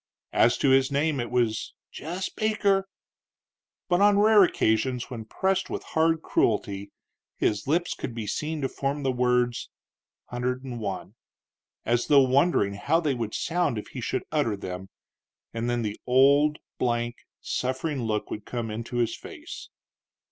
As to his name, it was "jess Baker;" but on rare occasions, when pressed with hard cruelty, his lips could be seen to form the words, "Hunder'd'n One," as though wondering how they would sound if he should utter them, and then the old blank, suffering look would come into his face.